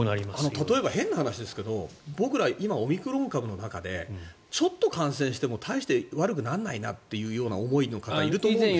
例えば変な話ですが僕ら、今、オミクロン株の中でちょっと感染しても大して悪くならないなという思いの方、いると思うんです。